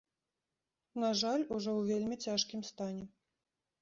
На жаль, ужо ў вельмі цяжкім стане.